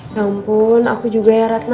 ampun aku juga ya ratna